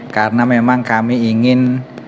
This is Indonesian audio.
karena memang kami ingin